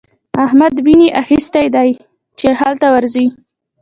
احمد ويني اخيستی دی چې هلته ورځي.